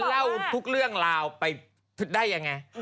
เล่าทุกเรื่องราวไปได้ยังไง